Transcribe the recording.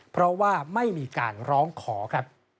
เพราะว่าไม่มีการร้องขอครับ